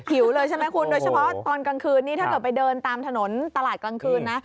หิวเลยใช่ไหมคุณโดยเฉพาะตอนกลางคืนนี้ถ้าเกิดไปเดินตามถนนตลาดกลางคืนนะ